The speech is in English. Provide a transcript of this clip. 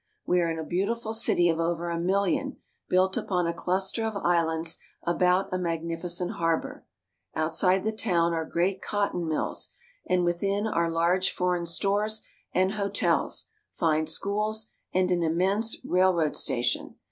We are in a beautiful city of over a million, built upon a cluster of islands about a magnificent harbor. Outside the town are great cotton mills, and within are large foreign stores and hotels, fine schools, and an immense rail road station.